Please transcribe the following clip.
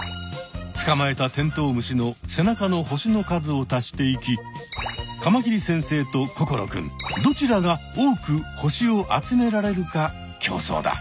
つかまえたテントウムシの背中の星の数を足していきカマキリ先生と心くんどちらが多く星を集められるか競争だ。